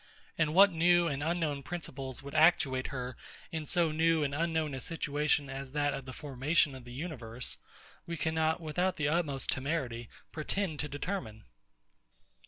And what new and unknown principles would actuate her in so new and unknown a situation as that of the formation of a universe, we cannot, without the utmost temerity, pretend to determine.